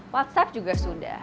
whatsapp juga sudah